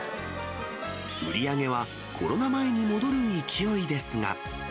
売り上げはコロナ前に戻る勢いですが。